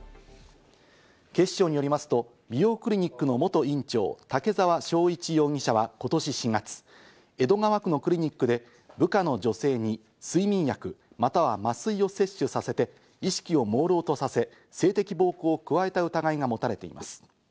警視庁によりますと美容クリニックの元院長・竹沢章一容疑者は今年４月、江戸川区のクリニックで部下の女性に睡眠薬、または麻酔を摂取させて意識をもうろうとさせ、性的暴行を加えた疑いが持たれています。